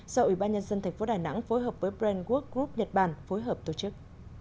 do ủy ban nhân dân thành phố đà nẵng phối hợp với brand work group nhật bản phối hợp tổ chức